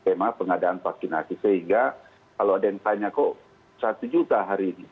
skema pengadaan vaksinasi sehingga kalau ada yang tanya kok satu juta hari ini